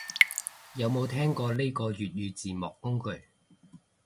有冇聽過呢個粵語字幕工具